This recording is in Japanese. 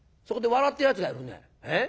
そこで笑ってるやつがいるね。